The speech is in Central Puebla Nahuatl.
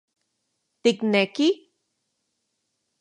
Tikneki...?